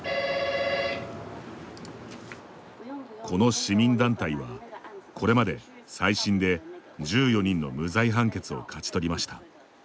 この市民団体は、これまで再審で、１４人の無罪判決を勝ち取りました。